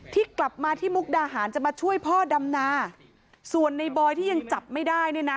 ที่กลับมาที่มุกดาหารจะมาช่วยพ่อดำนาส่วนในบอยที่ยังจับไม่ได้เนี่ยนะ